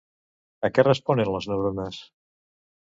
A què responen les neurones?